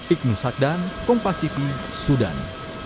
ikhlasak dan kompas tv sudan